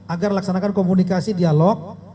agar laksanakan komunikasi dialog